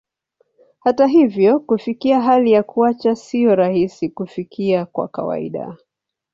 Hata hivyo, kufikia hali ya kuacha sio rahisi kufikia kwa kawaida.